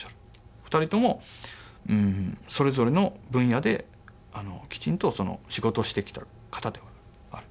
２人ともそれぞれの分野できちんと仕事してきた方ではある。